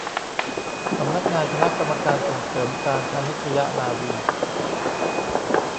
สำนักงานคณะกรรมการส่งเสริมการพาณิชยนาวี